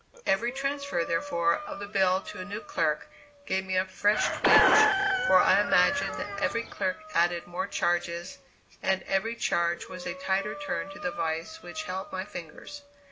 Every transfer, therefore, of the bill to a new clerk, gave me a fresh twinge, for I imagined that every clerk added more charges, and every charge was a tighter turn to the vise which held my fingers.